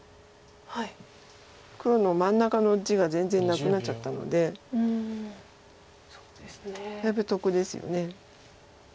黒の真ん中の地が全然なくなっちゃったのでだいぶ得ですよね。